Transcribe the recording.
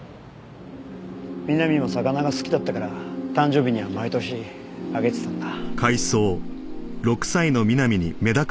美波も魚が好きだったから誕生日には毎年あげてたんだ。